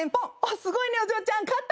すごいねお嬢ちゃん勝ったね！